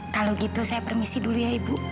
kalau gitu saya permisi dulu ya ibu